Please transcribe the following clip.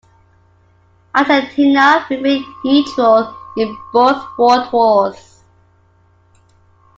Argentina remained neutral in both world wars.